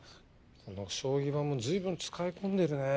この将棋盤も随分使い込んでるねえ。